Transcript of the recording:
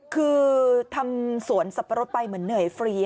คือทำสวนสับปะรดไปเหมือนเหนื่อยฟรี